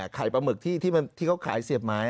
ปลาหมึกที่เขาขายเสียบไม้